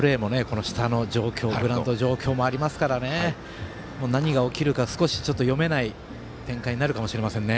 ただダブルプレーもこの状況グラウンド状況もありますから何が起きるか、少し読めない展開になるかもしれませんね。